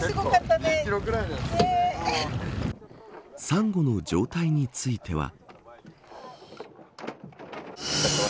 サンゴの状態については。